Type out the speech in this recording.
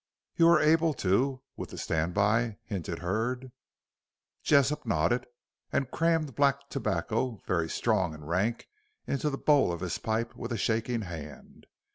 "You are able to, with the stand by," hinted Hurd. Jessop nodded and crammed black tobacco, very strong and rank, into the bowl of his pipe with a shaking hand.